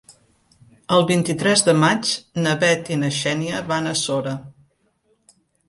El vint-i-tres de maig na Bet i na Xènia van a Sora.